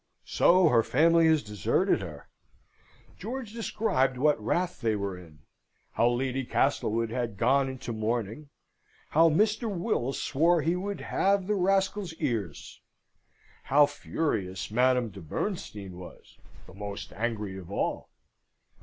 So her family has deserted her? George described what wrath they were in; how Lady Castlewood had gone into mourning; how Mr. Will swore he would have the rascal's ears; how furious Madame de Bernstein was, the most angry of all.